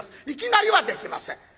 いきなりはできません。